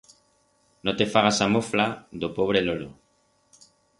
No te fagas a mofla d'o pobre lolo.